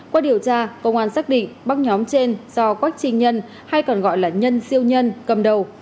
qua điều tra công an xác định bắt nhóm trên do quá trình nhân hay còn gọi là nhân siêu nhân cầm đầu